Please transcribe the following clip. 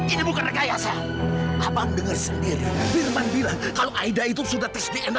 ini bukan rekayasa abang dengar sendiri firman bilang kalau aida itu sudah tes dna